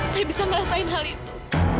saya bisa ngerasain hal itu